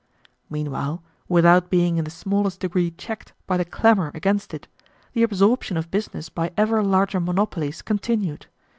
"Meanwhile, without being in the smallest degree checked by the clamor against it, the absorption of business by ever larger monopolies continued.